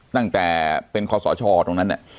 ตั้งแต่เป็นคอสชตรงนั้น